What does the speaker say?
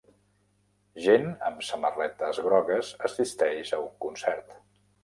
Gent amb samarretes grogues assisteix a un concert.